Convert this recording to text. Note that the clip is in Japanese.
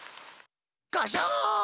ガシャーン！